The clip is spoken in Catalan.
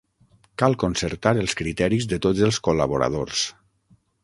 Cal concertar els criteris de tots els col·laboradors.